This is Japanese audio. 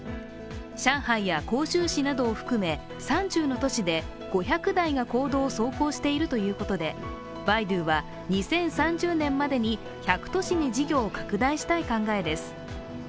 上海や広州市などを含め３０の都市で５００台が公道を走行しているということで、バイドゥは２０３０年までに１００都市に事業を拡大したい考えです。